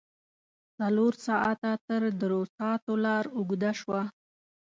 څلور ساعته تر دروساتو لار اوږده شوه.